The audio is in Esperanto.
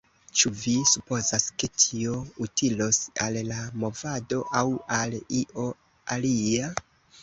Ĉu vi supozas, ke tio utilos al la movado, aŭ al io alia?